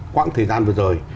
quãng thời gian vừa rồi